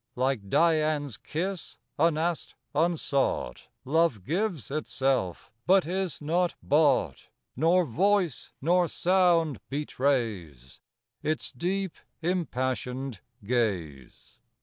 Like Dian's kiss, unasked, unsought, Love gives itself, but is not bought ; 15 Nor voice, nor sound betrays Its deep, impassioned ga/e.